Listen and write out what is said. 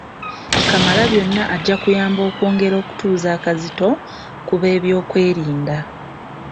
Kamalabyonna ajja kuyamba okwongera okutuuza akazito ku b'ebyokwerinda